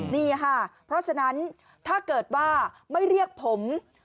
นี่ค่ะเพราะฉะนั้นถ้าเกิดว่าไม่เรียกผม